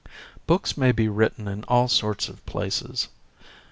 Books may be written in all sorts of places.